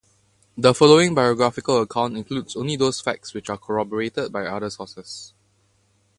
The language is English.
The following biographical account includes only those facts which are corroborated by other sources.